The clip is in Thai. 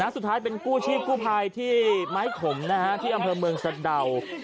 สุดท้ายเป็นกู้ชีพกู้ภัยที่ไม้ขมที่อำเภอเมืองสะดาว